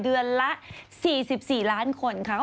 เดือนละ๔๔ล้านคนค่ะ